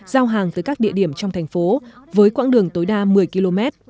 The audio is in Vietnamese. giao hàng tới các địa điểm trong thành phố với quãng đường tối đa một mươi km